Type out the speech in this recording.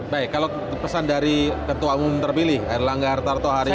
baik kalau pesan dari ketua umum terpilih erlangga hartarto hari ini